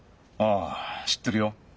ああ知ってるよ。